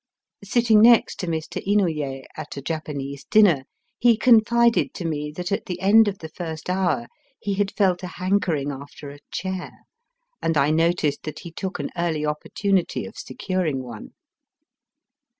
Sitting next to Mr. Inouye at a Japanese dinner, he confided to me that at the end of the first hour he had felt a hankering after a chair, and I noticed that he took an early opportunity of securing one.